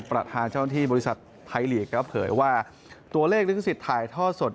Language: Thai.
ประธานเจ้าหน้าที่บริษัทไทยลีกก็เผยว่าตัวเลขลิขสิทธิ์ถ่ายทอดสด